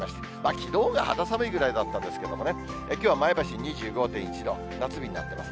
きのうが肌寒いくらいだったんですけど、きょうは前橋２５．１度、夏日になっています。